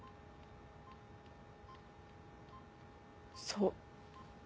そう。